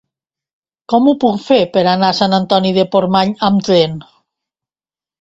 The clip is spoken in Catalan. Com ho puc fer per anar a Sant Antoni de Portmany amb tren?